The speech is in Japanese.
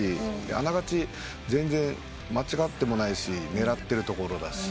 あながち全然間違ってもないし狙ってるところだし。